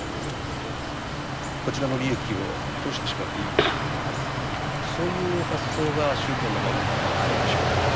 こちらの利益を通してしまっていいというようなそういう発想が宗教の中に入ってしまった。